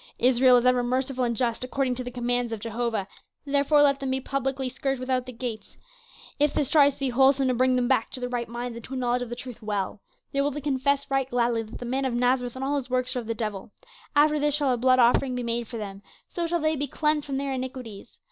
Israel is ever merciful and just, according to the commands of Jehovah, therefore let them be publicly scourged without the gates; if the stripes be wholesome to bring them back to their right minds and to a knowledge of the truth, well. They will then confess right gladly that the man of Nazareth and all his works are of the devil. After this shall a blood offering be made for them; so shall they be cleansed from their iniquities.